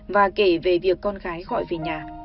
và kể về việc con gái gọi về nhà